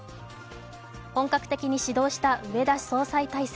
本格的に始動した植田総裁体制。